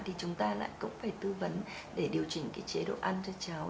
thì chúng ta lại cũng phải tư vấn để điều chỉnh cái chế độ ăn cho cháu